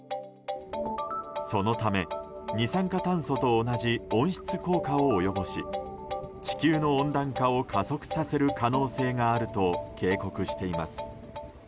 そのため二酸化炭素と同じ温室効果を及ぼし地球の温暖化を加速させる可能性があると警告しています。